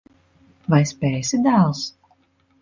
Vai spēsi, dēls?